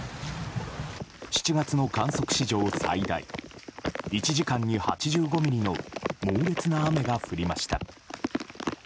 ７月の観測史上最大１時間に８５ミリの猛烈な雨が降りました。